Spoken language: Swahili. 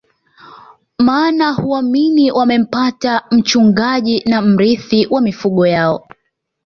Maana huamini wamempata mchungaji na mrithi wa mifugo yao